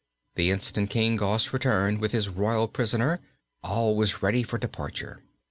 The instant King Gos returned with his royal prisoner all was ready for departure.